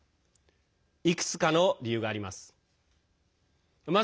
いくつかの理由があります。